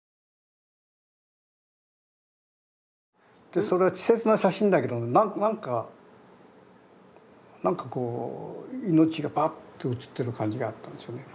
でそれは稚拙な写真だけど何か何かこう命がバッと写ってる感じがあったんですよね。